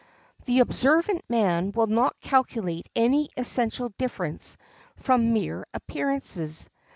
The observant man will not calculate any essential difference from mere appearances.